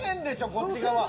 こっち側。